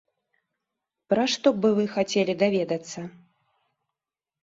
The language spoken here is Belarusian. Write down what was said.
Пра што бы вы хацелі даведацца?